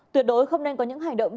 tuyệt đối không nên có những hành động